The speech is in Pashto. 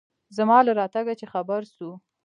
زما له راتگه چې خبر سو.